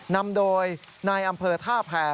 นำโดยนายอำเภอท่าแพร